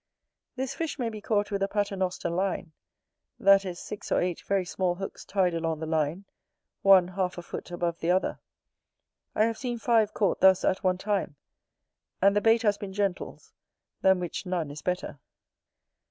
This fish may be caught with a Pater noster line; that is, six or eight very small hooks tied along the line, one half a foot above the other: I have seen five caught thus at one time; and the bait has been gentles, than which none is better.